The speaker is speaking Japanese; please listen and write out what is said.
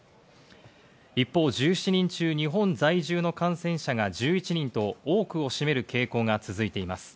一方、１７人中、日本在住の感染者が１１人と、多くを占める傾向が続いています。